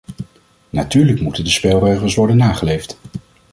Natuurlijk moeten de spelregels worden nageleefd.